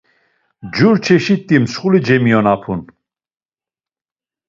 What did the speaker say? Jur çeşit̆i mtsxuli cemiyonapun.